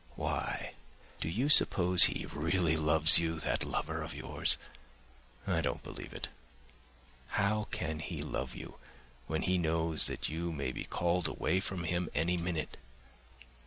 Why, do you suppose he really loves you, that lover of yours? I don't believe it. How can he love you when he knows you may be called away from him any minute?